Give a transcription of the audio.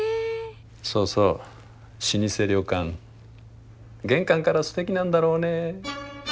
老舗旅館玄関からすてきなんだろうね。